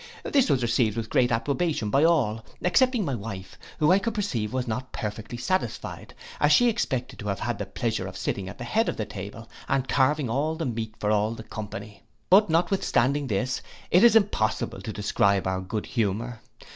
This was received with great approbation by all, excepting my wife, who I could perceive was not perfectly satisfied, as she expected to have had the pleasure of sitting at the head of the table and carving all the meat for all the company. But notwithstanding this, it is impossible to describe our good humour.